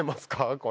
これ。